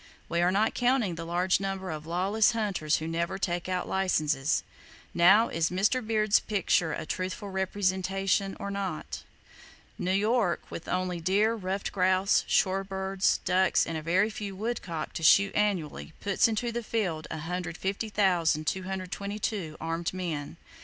We are not counting the large number of lawless hunters who never take out licenses. Now, is Mr. Beard's picture a truthful presentation, or not? New York with only deer, ruffed grouse, shore birds, ducks and a very few woodcock to shoot annually puts into the field 150,222 armed men.